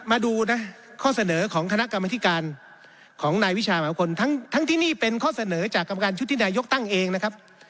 มาดูนะข้อเสนอของคณะกรรมธิการของนายวิชาหมายคลทั้งที่นี่เป็นข้อเสนอจากกรรมการชุดที่นายกตั้งเองนะครับ